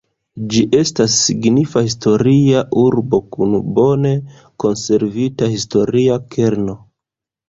Ĝi estas signifa historia urbo kun bone konservita historia kerno.